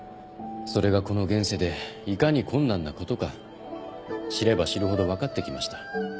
それがこの現世でいかに困難なことか知れば知るほど分かってきました。